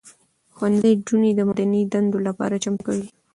ښوونځي نجونې د مدني دندې لپاره چمتو کوي.